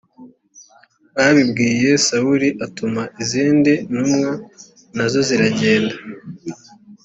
babibwiye sawuli atuma izindi ntumwa na zo ziragenda